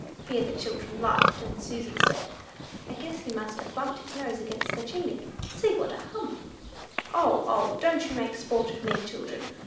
(Here the children laughed, and Susy said, "I guess he must have bumped his nose against that chimney: see what a hump!") "O, O, don't you make sport of me, children!